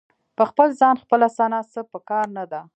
په خپل ځان خپله ثنا څه په کار نه ده.